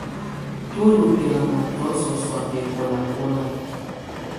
Tù ndù bɛlama biɔ̀sɔ sɔ̀á bɛkɔlakɔla.